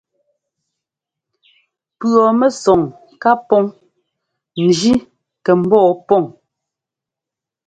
Pʉ̈ɔmɛsɔŋ ká pɔŋ njí kɛ ḿbɔɔ pɔŋ.